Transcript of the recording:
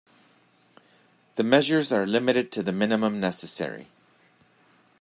The measures are limited to the minimum necessary.